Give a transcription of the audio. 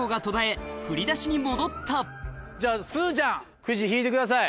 じゃあすずちゃんクジ引いてください。